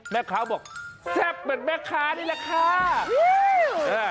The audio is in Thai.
แม่ค้าบอกแซ่บเหมือนแม่ค้านี่แหละค่ะ